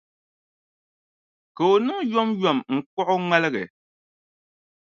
Ka o niŋ yom n-kpuɣi o ŋmaligi.